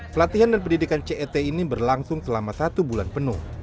pelatihan dan pendidikan cet ini berlangsung selama satu bulan penuh